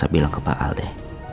jadi jadi ini nih siapa nih